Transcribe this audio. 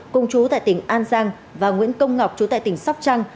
cùng chú tại tỉnh an giang và nguyễn công ngọc chú tại tỉnh sóc trăng